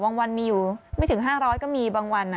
วันมีอยู่ไม่ถึง๕๐๐ก็มีบางวัน